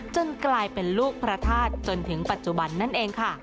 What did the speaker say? กลายเป็นลูกพระธาตุจนถึงปัจจุบันนั่นเองค่ะ